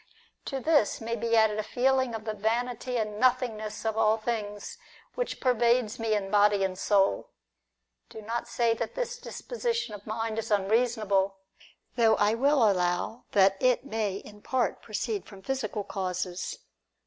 To this may be added a feeling of the vanity and nothingness of all things, which pervades me in body and soul. Do not say that this disposition of mind is unreasonable, though I will allow that it may in part proceed from physical causes.